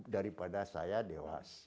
daripada saya dewas